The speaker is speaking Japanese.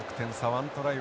１トライ